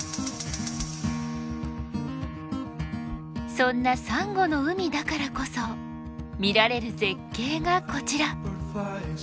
そんなサンゴの海だからこそ見られる絶景がこちら。